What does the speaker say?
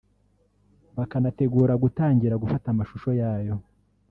bakanategura gutangira gufata amashusho yayo